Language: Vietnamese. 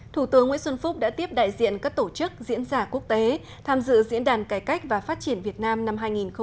thủ tướng nguyễn xuân phúc đã tiếp đại diện các tổ chức diễn giả quốc tế tham dự diễn đàn cải cách và phát triển việt nam năm hai nghìn một mươi chín